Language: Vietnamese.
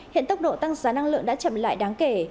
hiện tốc độ tăng giá năng lượng đã chậm lại đáng kể